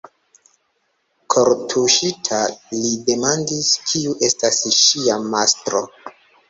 Kortuŝita, li demandis, kiu estas ŝia mastro.